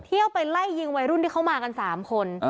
เที่ยวไปไล่ยิงวัยรุ่นที่เขามากัน๓คน